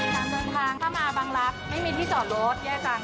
การเดินทางถ้ามาบังลักษณ์ไม่มีที่จอดรถแยกจัง